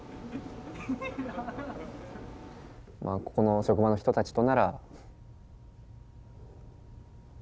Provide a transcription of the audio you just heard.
ここの職場の人たちとなら。